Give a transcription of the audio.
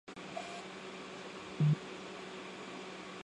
阿皮亚位于萨摩亚第二大岛乌波卢岛的北岸中部。